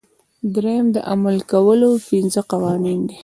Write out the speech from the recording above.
دریم د عمل کولو پنځه قوانین دي.